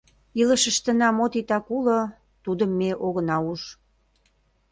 Илышыштына мо титак уло, тудым ме огына уж.